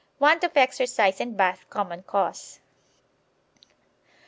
Want of exercise and bath common cause.